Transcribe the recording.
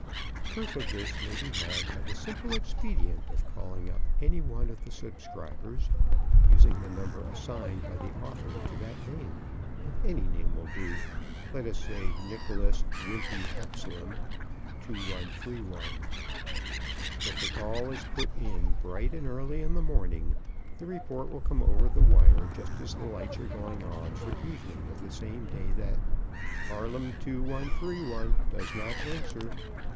Proof of this may be had by the simple expedient of calling up any one of the subscribers, using the number assigned by the author to that name. (Any name will do let us say Nicholas Wimpie Haxlem 2131.) If the call is put in bright and early in the morning, the report will come over the wire just as the lights are going on for evening of the same day that "Harlem 2131 does not answer."